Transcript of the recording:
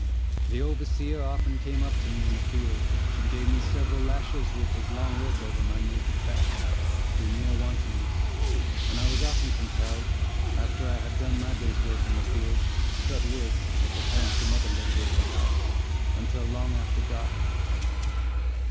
The overseer often came up to me in the field, and gave me several lashes with his long whip over my naked back, through mere wantonness; and I was often compelled, after I had done my day's work in the field, to cut wood, or perform some other labor at the house, until long after dark.